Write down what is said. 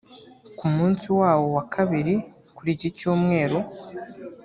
Ku munsi wawo wa kabiri kuri iki Cyumweru